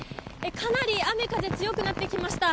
かなり雨風強くなってきました。